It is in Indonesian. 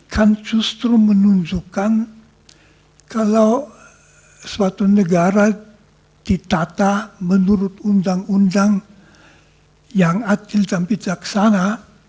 kan justru menunjukkan kalau suatu negara ditata menurut undang undang yang adil dan bijaksana